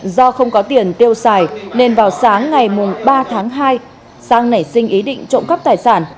do không có tiền tiêu xài nên vào sáng ngày ba tháng hai sang nảy sinh ý định trộm cắp tài sản